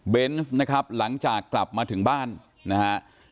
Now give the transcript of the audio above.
นะครับหลังจากกลับมาถึงบ้านนะฮะ